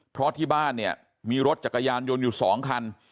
เพราะที่บ้านเนี่ยมีรถจักรยานยนต์อยู่๒คัน